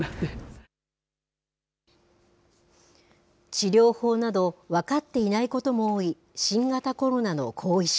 治療法など分かっていないことも多い、新型コロナの後遺症。